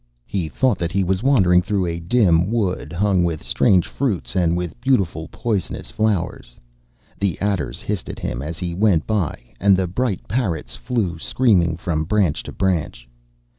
He thought that he was wandering through a dim wood, hung with strange fruits and with beautiful poisonous flowers. The adders hissed at him as he went by, and the bright parrots flew screaming from branch to branch.